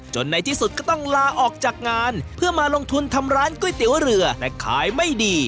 ในที่สุดก็ต้องลาออกจากงานเพื่อมาลงทุนทำร้านก๋วยเตี๋ยวเรือแต่ขายไม่ดี